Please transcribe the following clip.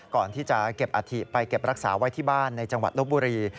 ก่อนที่จะเก็บอาถิไปเก็บรักษาไว้ที่บ้านในจังหวัดลบบุรี